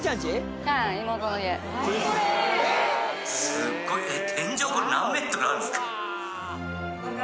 すごい天井これ何メートルあるんですか。